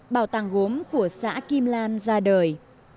bảo tàng gốm của xã kim lan ra đời